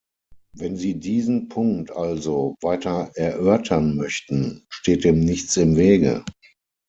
Wenn Sie diesen Punkt also weiter erörtern möchten, steht dem nichts im Wege.